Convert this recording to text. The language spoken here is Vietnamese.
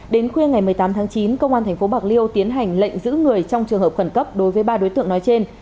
đến khuya ngày một mươi tám tháng chín công an tp bạc liêu tiến hành lệnh giữ người trong trường hợp khẩn cấp đối với ba đối tượng nói trên